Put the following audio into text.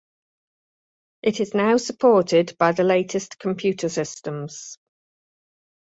It is now supported by the latest computer systems.